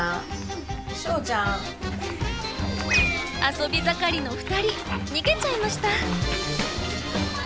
遊び盛りの２人逃げちゃいました。